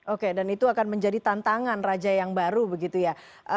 oke dan itu akan menjadi tantangan raja yang baru begitu ya